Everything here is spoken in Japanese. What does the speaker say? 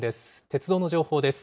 鉄道の情報です。